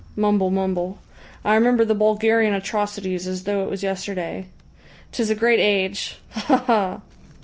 Mumble, mumble. I remember the Bulgarian atrocities as though it was yesterday. 'Tis a great age! Ha ha!"